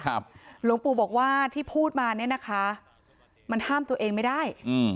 หลวงปู่บอกว่าที่พูดมาเนี่ยนะคะมันห้ามตัวเองไม่ได้อืม